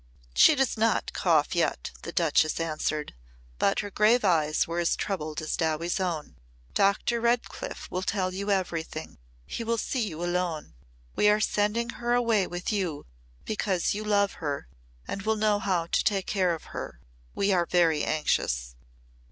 "She does not cough yet," the Duchess answered, but her grave eyes were as troubled as Dowie's own. "Doctor Redcliff will tell you everything. He will see you alone. We are sending her away with you because you love her and will know how to take care of her. We are very anxious."